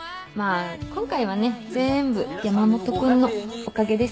今回はねぜんぶ山本君のおかげですから。